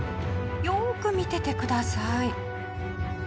よーく見ててください。